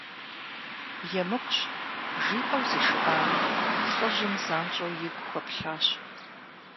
– ЕмыкӀущ, – жиӀэу зишыӀами, лӀыжьым занщӀэу игу хуэплъащ.